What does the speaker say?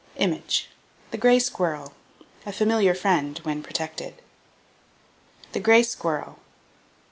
THE GRAY SQUIRREL, A FAMILIAR FRIEND WHEN PROTECTED The Gray Squirrel.